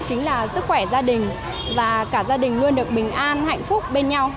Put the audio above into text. chính là sức khỏe gia đình và cả gia đình luôn được bình an hạnh phúc bên nhau